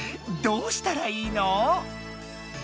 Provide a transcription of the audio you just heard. どうしたらいいの？